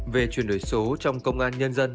về chuyển đổi số trong công an nhân dân